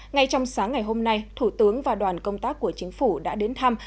ngay trong sáng ngày hôm nay thủ tướng và đoàn công tác của chính phủ đã đến thăm